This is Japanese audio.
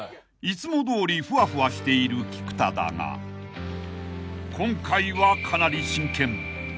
［いつもどおりふわふわしている菊田だが今回はかなり真剣］